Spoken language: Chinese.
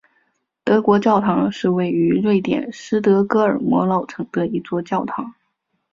德国教堂是位于瑞典斯德哥尔摩老城的一座教堂。